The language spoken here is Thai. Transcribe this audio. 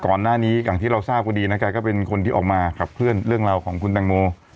ก่อนหน้านี้อย่างที่เราทราบก็ดีนะคะก็เป็นคนที่ออกมาขับเคลื่อนเรื่องเราของคุณตังโม